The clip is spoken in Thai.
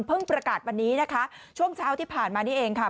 ประกาศวันนี้นะคะช่วงเช้าที่ผ่านมานี่เองค่ะ